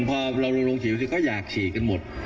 พอเราลงฉีดก็อยากฉีดกันหมด